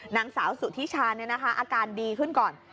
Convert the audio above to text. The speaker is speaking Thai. หนังสาวสุธิชาเนี่ยนะคะอาการดีขึ้นก่อน